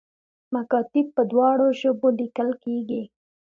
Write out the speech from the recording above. مکاتیب په دواړو ژبو لیکل کیږي